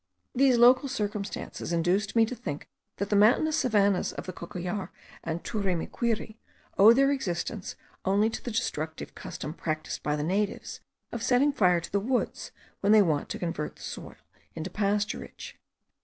These local circumstances induce me to think that the mountainous savannahs of the Cocollar and Turimiquiri owe their existence only to the destructive custom practised by the natives of setting fire to the woods when they want to convert the soil into pasturage.